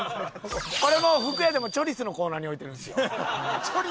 これもう服屋でもチョリスのコーナーに置いてるんですよ。